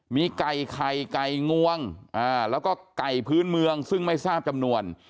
มีไก่ไข่ไก่งวงแล้วก็ไก่พื้นเมืองซึ่งไม่ทราบจำนวน